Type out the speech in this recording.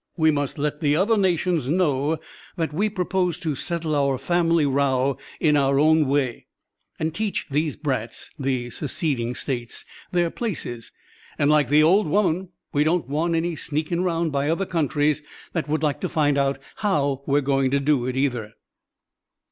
We must let the other nations know that we propose to settle our family row in our own way, an' teach these brats (the seceding States) their places, and, like the old woman, we don't want any 'sneakin' round' by other countries, that would like to find out how we are going to do it either."